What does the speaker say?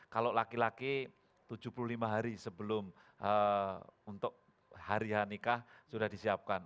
kalau laki laki tujuh puluh lima hari sebelum untuk harian nikah sudah disiapkan